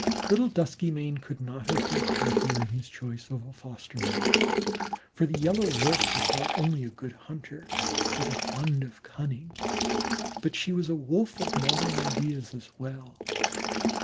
Little Duskymane could not have been happier in his choice of a foster mother, for the Yellow Wolf was not only a good hunter with a fund of cunning, but she was a Wolf of modern ideas as well.